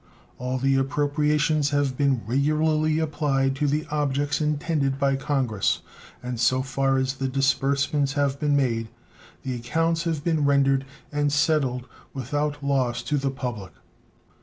All the appropriations have been regularly applied to the objects intended by Congress, and so far as the disbursements have been made the accounts have been rendered and settled without loss to the public.